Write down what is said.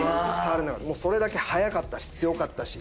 それだけ速かったし強かったし。